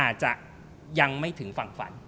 อาจจะยังไม่ถึงฝั่งฝัน